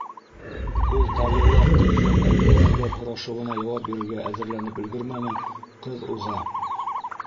Ул тағы ла ҡыҙҙың әллә ниҙәр һорашыуына яуап бирергә әҙерләнеп өлгөрмәне, ҡыҙ уға: